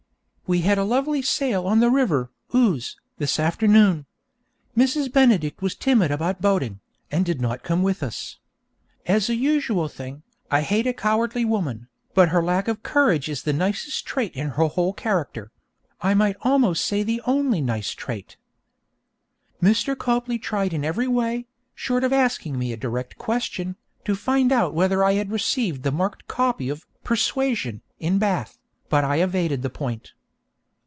We had a lovely sail on the river Ouse this afternoon. Mrs. Benedict was timid about boating, and did not come with us. As a usual thing, I hate a cowardly woman, but her lack of courage is the nicest trait in her whole character; I might almost say the only nice trait. Mr. Copley tried in every way, short of asking me a direct question, to find out whether I had received the marked copy of 'Persuasion' in Bath, but I evaded the point.